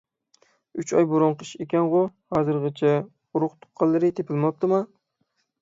ئۈچ ئاي بۇرۇنقى ئىش ئىكەنغۇ؟ ھازىرغىچە ئۇرۇق تۇغقانلىرى تېپىلماپتىما؟